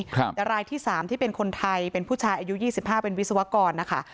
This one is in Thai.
แต่รายที่๓ที่เป็นคนไทยเป็นผู้ชายอายุ๒๕เป็นวิศวกรนะคะ